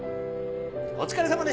お疲れさまでした。